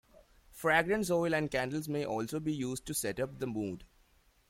Fragrance oil and candles may also be used to set up the mood.